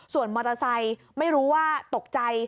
ส่วนมอเตอร์ไซค์ไม่รู้ว่าตกใจ